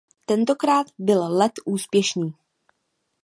Tentokrát byl let úspěšný.